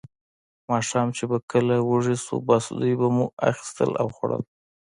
ماښام چې به کله وږي شوو، بس دوی به مو اخیستل او خوړل.